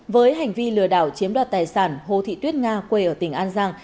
với hành vi lừa đảo chiếm đoạt tài sản hồ thị tuyết nga quê ở tỉnh an giang